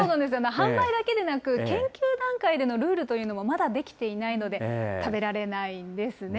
販売だけでなく、研究段階でのルールというのもまだ出来ていないので、食べられないんですね。